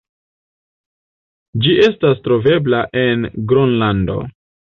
Ĝi estas trovebla en Gronlando.